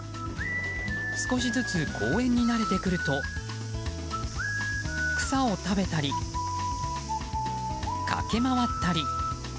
少しずつ公園に慣れてくると草を食べたり、駆け回ったり。